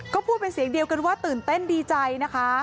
ก็พูดเป็นเสียงเดียวกันว่าตื่นเต้นดีใจนะคะ